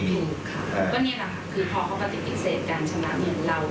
ก็เนี่ยแหละค่ะคือพอเขาปฏิเสธการชะละเงินเรา